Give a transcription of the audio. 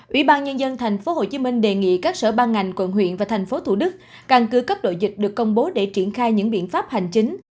ủy ban nhân dân tp hcm đề nghị các sở ban ngành quận huyện và thành phố thủ đức căn cứ cấp đội dịch được công bố để triển khai những biện pháp hành chính